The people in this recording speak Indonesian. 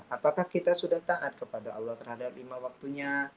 apakah kita sudah taat kepada allah terhadap lima waktunya